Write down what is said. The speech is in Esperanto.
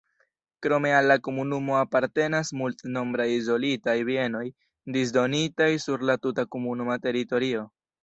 Krome al la komunumo apartenas multnombraj izolitaj bienoj disdonitaj sur la tuta komunuma teritorio.